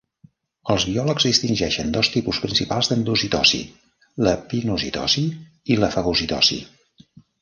Els biòlegs distingeixen dos tipus principals d'endocitosi: la pinocitosi i la fagocitosi.